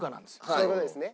そういう事ですね。